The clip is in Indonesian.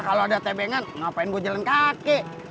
kalo ada tebengan ngapain gue jalan kaki